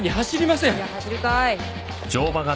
いや走るかーい。